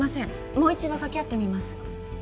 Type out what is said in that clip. もう一度掛け合ってみます。